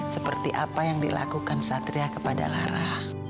seperti apa yang dilakukan satria kepada lara